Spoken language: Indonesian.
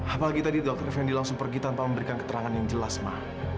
apalagi tadi dr effendi langsung pergi tanpa memberikan keterangan yang jelas ma